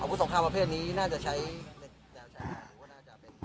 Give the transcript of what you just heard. อาวุธสงครามประเภทนี้น่าจะใช้